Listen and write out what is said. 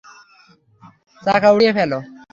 চাকা উঠিয়ে ফেলো!